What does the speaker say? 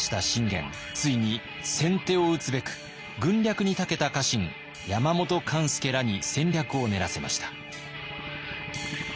ついに先手を打つべく軍略に長けた家臣山本勘助らに戦略を練らせました。